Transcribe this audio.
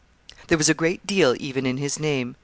] There was a great deal even in his name.